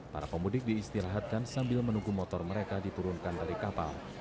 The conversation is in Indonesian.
para pemudik diistirahatkan sambil menunggu motor mereka diturunkan dari kapal